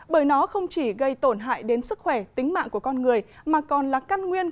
bởi nó không chỉ gây tổn hại đến sức khỏe tính mạng của con người mà còn là căn nguyên